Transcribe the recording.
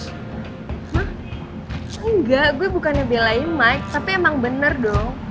hah engga gue bukannya belain maik tapi emang bener dong